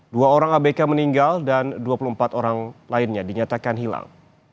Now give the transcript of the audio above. dua orang abk meninggal dan dua puluh empat orang lainnya dinyatakan hilang